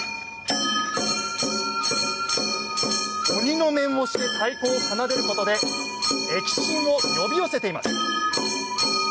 鬼の面をして太鼓を奏でることで疫神を呼び寄せています。